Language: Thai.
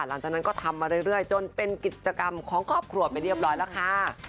หลังจากนั้นก็ทำมาเรื่อยจนเป็นกิจกรรมของครอบครัวไปเรียบร้อยแล้วค่ะ